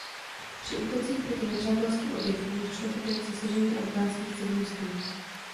Při útocích proti nepřátelským objektům došlo také k zasažení afghánských civilistů.